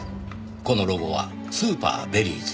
このロゴはスーパー・ベリーズ。